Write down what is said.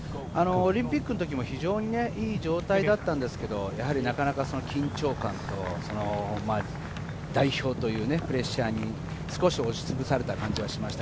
オリンピックの時も非常にいい状態だったんですけど、なかなか緊張感と代表というプレッシャーに少し押しつぶされた感じはしました。